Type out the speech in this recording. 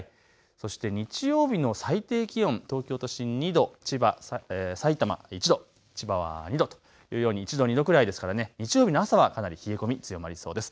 そして日曜日の最低気温、東京都心２度、千葉、さいたま１度、千葉は２度というように１度２度くらいですから日曜日の朝かなり冷え込み強まりそうです。